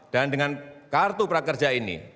dan dengan kartu prakerja ini